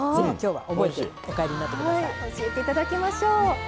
はい教えていただきましょう。